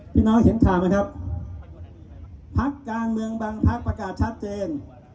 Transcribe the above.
พี่น้องเห็นข่าวไหมครับพักการเมืองบางพักประกาศชัดเจน